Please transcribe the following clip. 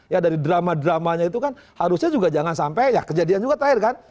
ya dari drama dramanya itu kan harusnya juga jangan sampai ya kejadian juga terakhir kan